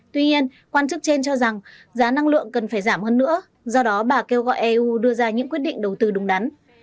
tuy nhiên quan chức trên cho rằng giá năng lượng cần phải giảm hơn nữa do đó bà kêu gọi eu đưa ra những quyết định đầu tư đúng đắn